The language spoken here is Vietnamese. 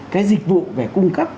cái dịch vụ về cung cấp